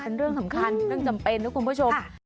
เป็นเรื่องสำคัญเรื่องจำเป็นนะคุณผู้ชม